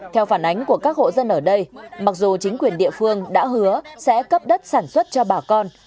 theo phản ánh của các hộ dân ở đây mặc dù chính quyền địa phương đã hứa sẽ cấp đất sản xuất cho bà con